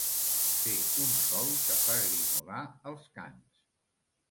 Fer un sol que fa grinyolar els cans.